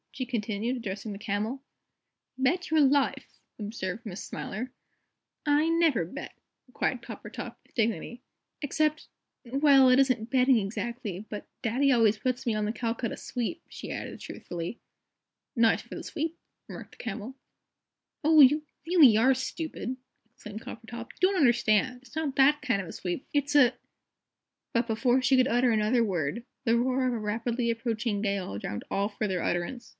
she continued, addressing the Camel. "Bet your life!" observed Miss Smiler. "I never bet," replied Coppertop, with dignity. "Except well, it isn't betting exactly but Daddy always puts me on the Calcutta Sweep," she added, truthfully. "Nice for the sweep," remarked the Camel. "Oh, you really are stupid," exclaimed Coppertop. "You don't understand. It's not that kind of a sweep. It's a " But before she could utter another word the roar of a rapidly approaching gale drowned all further utterance.